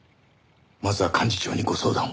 まずは幹事長にご相談を。